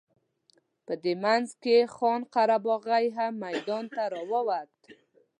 په دې منځ کې خان قره باغي هم میدان ته راووت.